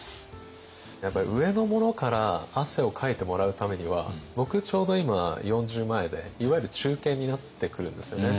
やっぱり上の者から汗をかいてもらうためには僕ちょうど今４０前でいわゆる中堅になってくるんですよね。